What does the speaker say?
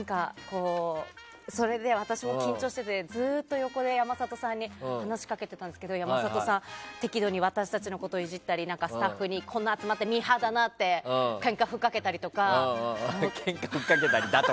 それで、私も緊張しててずっと横で山里さんに話しかけてたんですけど適度に私たちのことをイジったりスタッフに、こんな集まってミーハーだなってけんか吹っ掛けたりだとか。